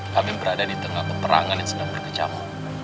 kami berada di tengah peperangan yang sedang berkecamu